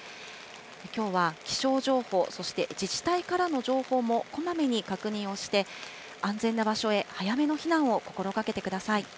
きょうは気象情報、そして自治体からの情報もこまめに確認をして、安全な場所へ早めの避難を心がけてください。